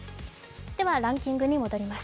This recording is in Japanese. ランキングに戻ります。